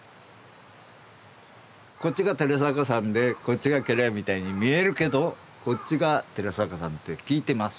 こっちが寺坂さんでこっちが家来みたいに見えるけどこっちが寺坂さんって聞いてます。